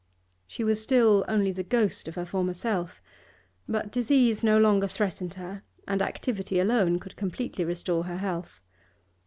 She was still only the ghost of her former self, but disease no longer threatened her, and activity alone could completely restore her health.